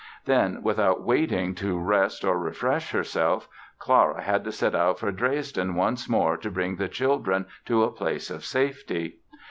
Then, without waiting to rest or refresh herself, Clara had to set out for Dresden once more to bring the children to a place of safety.